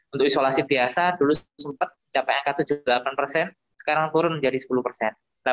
untuk isolasi biasa dulu sempat mencapai angka tujuh puluh delapan persen sekarang turun menjadi sepuluh persen